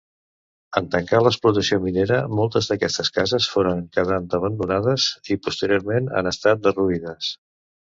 En tancar l'explotació minera moltes d'aquestes cases foren quedant abandonades i posteriorment han estat derruïdes.